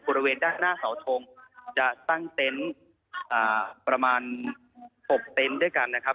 บริเวณด้านหน้าเสาทงจะตั้งเต็นต์ประมาณ๖เต็นต์ด้วยกันนะครับ